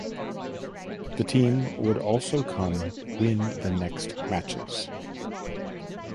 The team would also come win the next matches.